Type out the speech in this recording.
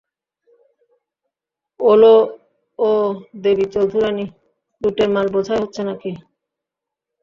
ওলো, ও দেবীচৌধুরানী, লুটের মাল বোঝাই হচ্ছে নাকি?